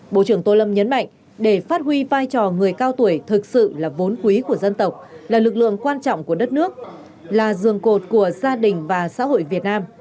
bộ trưởng tô lâm nhấn mạnh để phát huy vai trò người cao tuổi thực sự là vốn quý của dân tộc là lực lượng quan trọng của đất nước là giường cột của gia đình và xã hội việt nam